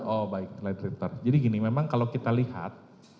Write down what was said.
oh baik light rector jadi gini memang kalau kita lihat